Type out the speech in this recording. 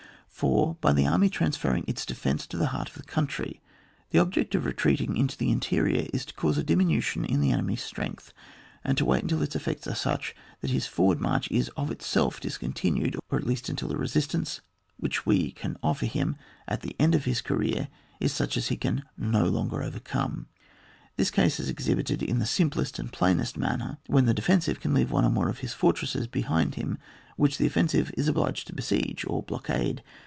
4. By the army transferring its defence to the heart of the country. The object of retreating into the interior is to cause a diminution in the enemy's strength, and to wait until its effects are such that his forward march is of itself discon tinued, or at least until the resistance which we can offer him at the end of his career is such as he can no longer over come. This case is exhibited in the simplest and plainest manner, when the defensive can leave one or more of his fortresses behind him, which the offensive is ob liged to besiege or blockade.